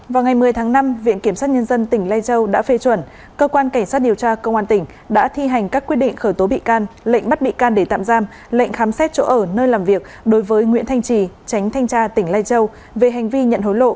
vào ngày một mươi tháng năm viện kiểm sát nhân dân tỉnh lai châu đã phê chuẩn cơ quan cảnh sát điều tra công an tỉnh đã thi hành các quyết định khởi tố bị can lệnh bắt bị can để tạm giam lệnh khám xét chỗ ở nơi làm việc đối với nguyễn thanh trì tránh thanh tra tỉnh lai châu về hành vi nhận hối lộ